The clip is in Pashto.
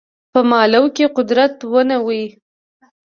په مالوه کې قدرت ونیوی.